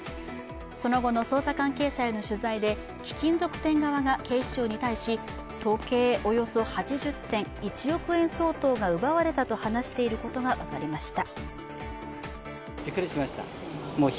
その後の捜査関係者への取材で貴金属店側が警視庁に対し、時計およそ８０点、１億円相当が奪われたと話していることが分かりました。